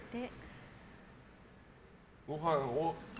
ご飯を。